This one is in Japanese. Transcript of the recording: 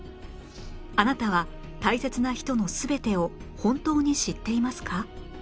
あなたは大切な人のすべてを本当に知っていますか？